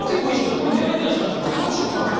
これ眼あり眼なしになっちゃうからこれは白勝つか。